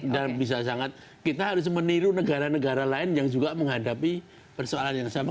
dan bisa sangat kita harus meniru negara negara lain yang juga menghadapi persoalan yang sama